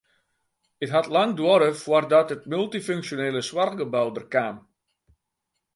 It hat lang duorre foardat it multyfunksjonele soarchgebou der kaam.